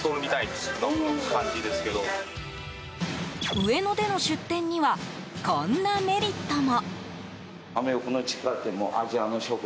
上野での出店にはこんなメリットも。